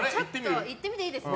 いってみていいですか。